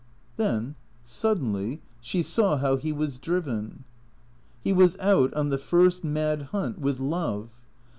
Then, suddenly, she saw how he was driven. He was out on the first mad hunt with love.